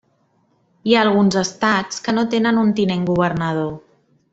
Hi ha alguns estats que no tenen un Tinent Governador.